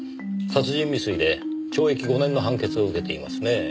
殺人未遂で懲役５年の判決を受けていますねぇ。